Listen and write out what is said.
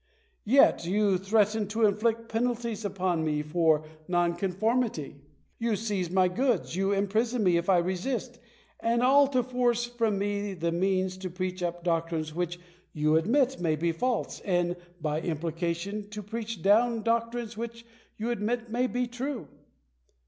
" Yet you threaten to inflict penalties upon me for nonconformity ! You seize my goods ; you imprison me if I resist; and all to force from me the means to preach up doctrines which you admit may be false, and by im plication to preach down doctrines which you admit may be true